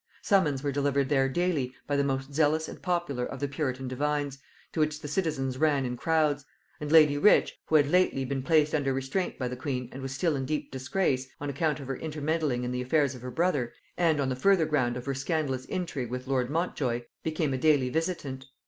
Sermons were delivered there daily by the most zealous and popular of the puritan divines, to which the citizens ran in crowds; and lady Rich, who had lately been placed under restraint by the queen and was still in deep disgrace, on account of her intermeddling in the affairs of her brother, and on the further ground of her scandalous intrigue with lord Montjoy, became a daily visitant.